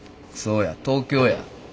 そうや東京や。